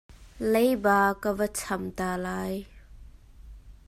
Leiba ka va cham ta lai.